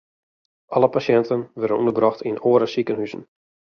Alle pasjinten wurde ûnderbrocht yn oare sikehuzen.